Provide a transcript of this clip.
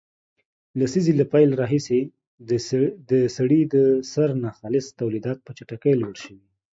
لسیزې له پیل راهیسې د سړي د سر ناخالص تولیدات په چټکۍ لوړ شوي